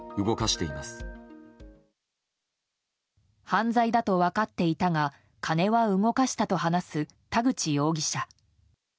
犯罪だと分かっていたが金は動かしたと話す田口容疑者。